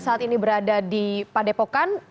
saat ini berada di padepokan